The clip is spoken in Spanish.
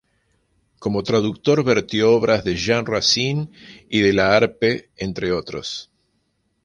Como traductor vertió obras de Jean Racine y de La Harpe, entre otros.